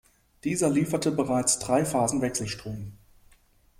Dieser lieferte bereits Dreiphasenwechselstrom.